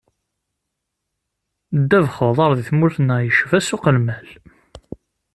Ddabex n uḍar di tmurt-nneɣ icba ssuq n lmal.